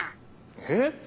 えっ？